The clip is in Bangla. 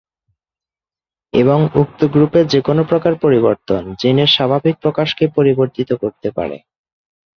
এবং উক্ত গ্রুপের যেকোনো প্রকার পরিবর্তন জিনের স্বাভাবিক প্রকাশকে পরিবর্তিত করতে পারে।